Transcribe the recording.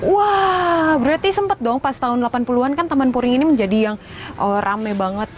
wah berarti sempat dong pas tahun delapan puluh an kan taman puring ini menjadi yang rame banget